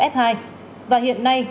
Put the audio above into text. và hiện nay bệnh nhân đang được cách ly